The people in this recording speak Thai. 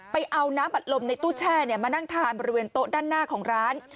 ไปเอาน้ำอัดลมในตู้แช่มานั่งทานบริเวณโต๊ะด้านหน้าของร้าน